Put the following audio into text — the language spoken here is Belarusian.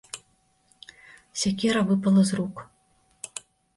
Сякера выпала з рук.